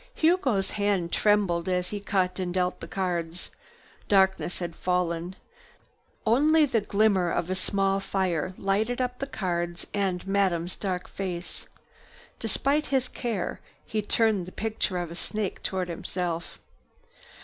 Hugo's hand trembled as he cut and dealt the cards. Darkness had fallen. Only the glimmer of a small fire lighted up the cards and Madame's dark face. Despite his care, he turned the picture of a snake toward himself.